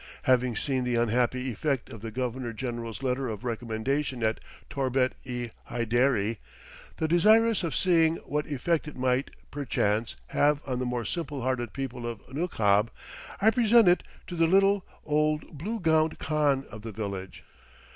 Having seen the unhappy effect of the Governor General's letter of recommendation at Torbet i Haiderie, and desirous of seeing what effect it might, perchance, have on the more simple hearted people of Nukhab, I present it to the little, old, blue gowned Khan of the village.